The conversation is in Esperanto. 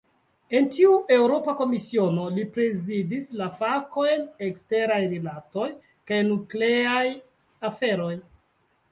En tiu Eŭropa Komisiono, li prezidis la fakojn "eksteraj rilatoj kaj nukleaj aferoj".